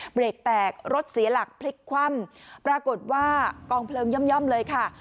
เบรกแตกรถเสียหลักพลิกคว่ำปรากฏว่ากองเพลิงย่อมเลยค่ะ